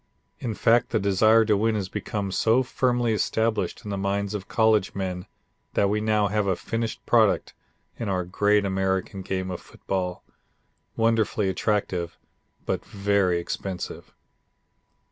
In fact, the desire to win has become so firmly established in the minds of college men that we now have a finished product in our great American game of football wonderfully attractive, but very expensive.